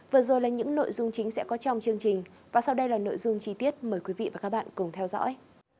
vừa rồi là những nội dung chính sẽ có trong chương trình và sau đây là nội dung chi tiết mời quý vị và các bạn cùng theo dõi